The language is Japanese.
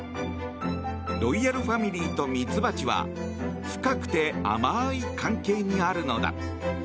ロイヤルファミリーとミツバチは深くて甘い関係にあるのだ。